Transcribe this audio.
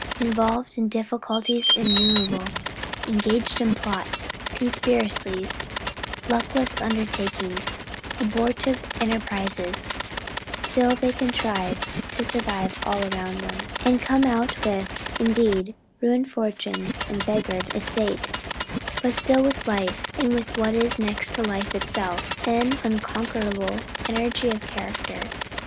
Involved in difficulties innumerable, engaged in plots, conspiracies, luckless undertakings, abortive enterprises, still they contrived to survive all around them, and come out with, indeed, ruined fortunes and beggared estate, but still with life, and with what is the next to life itself, an unconquerable energy of character.